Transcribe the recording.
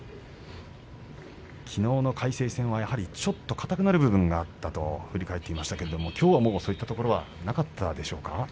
きのうの魁聖戦はやはりちょっと硬くなる部分があったと振り返ってましたけどきょうはそういったところはなかったでしょうか。